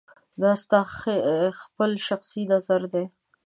دا ستا خپل شخصي نظر دی